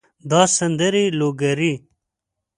دا سندرې لوګري